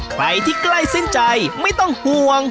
ใครที่ใกล้สิ้นใจไม่ต้องห่วง